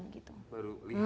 baru lihai lah ya